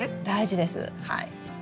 大事ですはい。